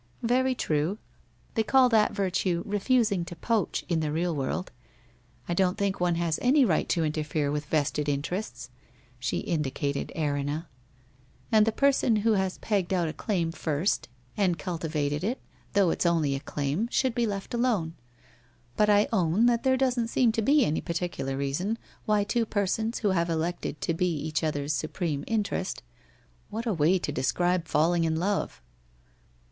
' Very true. They call that virtue refusing to "poach" in the great world. I don't think one has any right to interfere with rested interests,' She indicated Erinna. ' And the person who has pegged oul a claim first and cul 158 WHITE ROSE OF WEARY LEAF tivated it, though it's only a claim, should be left alone. But I own that there doesn't seem to be any particular reason why two persons who have elected to be each other's supreme interest ' 'What a way to describe falling in love!'